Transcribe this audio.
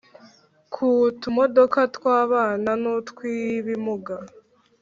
ku tumodoka tw'abana n'utw'ibimuga